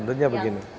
nah tentunya begini